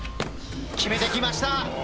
決めてきました！